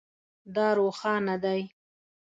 دا روښانه دی